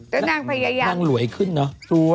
แล้วนางพยายามนางหลวยขึ้นเนอะ